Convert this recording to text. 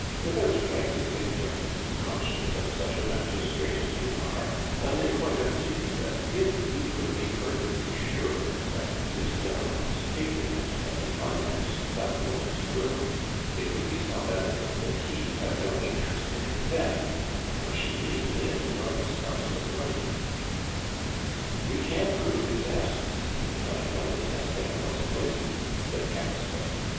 Without trying to influence the conscience of such a magistrate as you are, I may point out to you that if you could be perfectly sure that Lucien was ignorant of the contents of that woman's will, it would be self evident that he had no interest in her death, for she gave him enormous sums of money." "We can prove his absence at the time when this Esther was poisoned," said Camusot.